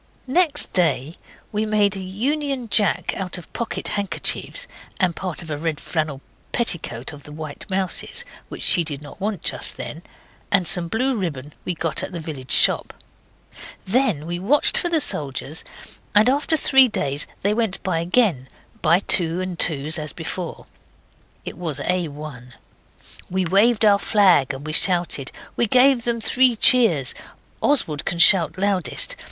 Next day we made a Union Jack out of pocket handkerchiefs and part of a red flannel petticoat of the White Mouse's, which she did not want just then, and some blue ribbon we got at the village shop. Then we watched for the soldiers, and after three days they went by again, by twos and twos as before. It was A1. We waved our flag, and we shouted. We gave them three cheers. Oswald can shout loudest.